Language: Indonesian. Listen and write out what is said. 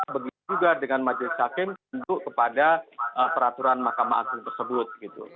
begitu juga dengan majlis saking untuk kepada peraturan mahkamah agung tersebut